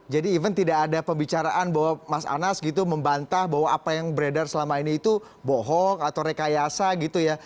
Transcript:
jadi even tidak ada pembicaraan bahwa mas anas gitu membantah bahwa apa yang beredar selama ini itu bohong atau rekayasa gitu ya